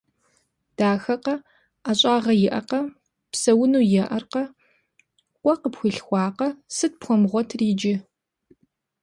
Дахэкъэ, ӏэщӏагъэ иӏэкъэ, псэуну еӏэркъэ, къуэ къыпхуилъхуакъэ. Сыт пхуэмыгъуэтыр иджы?